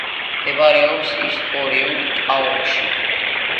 მდებარეობს ისტორიულ ტაოში.